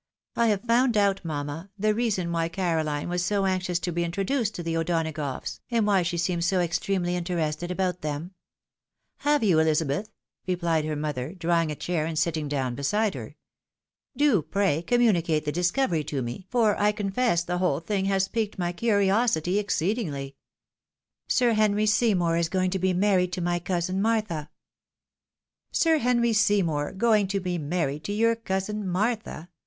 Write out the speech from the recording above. I have found out, mamma, the reason why Caroline was so anxious to be introduced to the O'Donagoughs, and why she seemed so extremely interested about them." " Have you, EUzabeth ?" replied her mother, drawing a chair, and sitting down beside her. " Do, pray, communicate the discovery to me, for I confess the whole thing has piqued my curiosity exceedingly." " Sir Henry Seymour is going to be married to my cousin Martha." " Sir Henry Seymour going to be married to your cousin Martha?